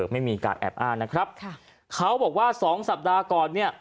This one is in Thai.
ไม่มีการแอบอ้างนะครับค่ะเขาบอกว่าสองสัปดาห์ก่อนเนี่ย